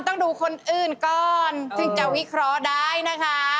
ต้องดูคนอื่นก่อนถึงจะวิเคราะห์ได้นะคะ